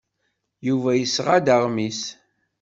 Yuba yesɣa-d aɣmis.